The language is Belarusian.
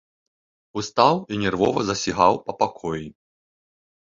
Устаў і нервова засігаў па пакоі.